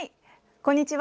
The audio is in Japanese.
こんにちは。